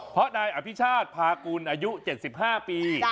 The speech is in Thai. เพราะนายอภิชาติพากุลอายุ๗๕ปี